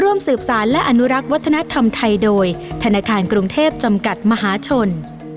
ร่วมสืบสารและอนุรักษ์วัฒนธรรมไทยโดยธนาคารกรุงเทพจำกัดมหาชน